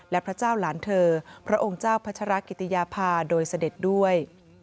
และพระเจ้าหลานเธอพระองค์เจ้าพัชรกิติยาภาโดยเสด็จด้วย